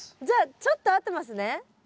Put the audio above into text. じゃあちょっと合ってますね。